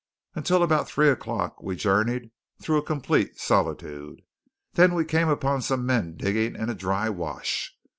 Until about three o'clock we journeyed through a complete solitude. Then we came upon some men digging in a dry wash.